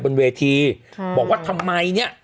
บนเวทีบอกว่าทำไมเนี่ย